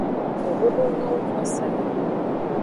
Tododo nyo wu vosaa.